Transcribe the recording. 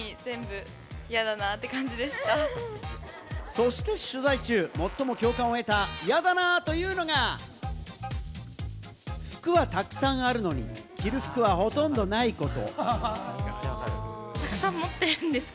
そして取材中、最も共感を得た、やだなーというのが、服はたくさんあるのに、着る服はほとんどないこと。